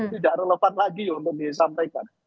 tidak relevan lagi untuk disampaikan